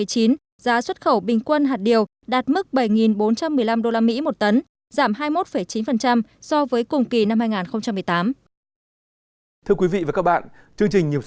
giá xuất khẩu bình quân hạt điều đạt mức bảy bốn trăm một mươi năm usd một tấn giảm hai mươi một chín so với cùng kỳ năm hai nghìn một mươi tám